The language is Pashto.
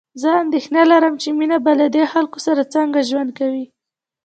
زه اندېښنه لرم چې مينه به له دې خلکو سره څنګه ژوند کوي